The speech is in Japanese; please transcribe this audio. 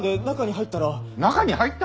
中に入った！？